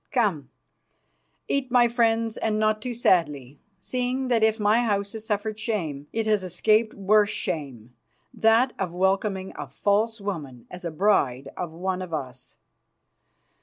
Come, eat, my friends, and not too sadly, seeing that if my house has suffered shame, it has escaped worse shame, that of welcoming a false woman as a bride of one of us.